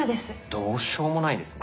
どうしようもないですね。